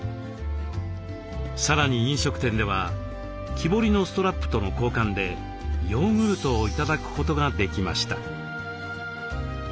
さらに飲食店では木彫りのストラップとの交換でヨーグルトを頂くことができました。